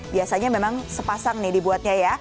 biasanya memang sepasang nih dibuatnya ya